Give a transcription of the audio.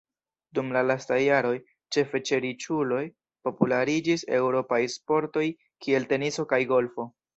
Dum la lastaj jaroj, ĉefe ĉe riĉuloj populariĝis eŭropaj sportoj kiel teniso kaj golfo.